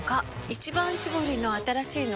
「一番搾り」の新しいの？